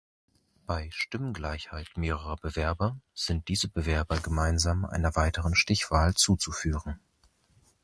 Bei Stimmengleichheit mehrerer Bewerber sind diese Bewerber gemeinsam einer weiteren Stichwahl zuzuführen.